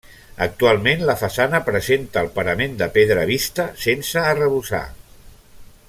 Actualment la façana presenta el parament de pedra vista, sense arrebossar.